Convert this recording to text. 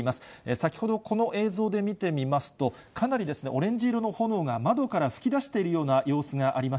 先ほどこの映像で見てみますと、かなりオレンジ色の炎が窓から噴き出しているような様子がありま